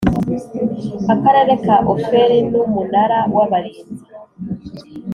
Akarere ka Ofeli n’umunara w’abarinzi